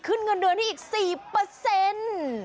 เงินเดือนให้อีก๔เปอร์เซ็นต์